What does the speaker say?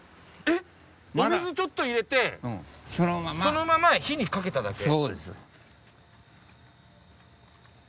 お水ちょっと入れてそのまま火にかけただけ？